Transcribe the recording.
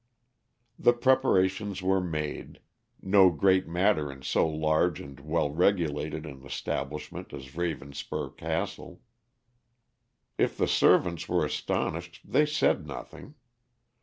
The preparations were made, no great matter in so large and well regulated an establishment as Ravenspur Castle. If the servants were astonished, they said nothing.